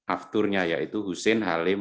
afturnya yaitu husin halim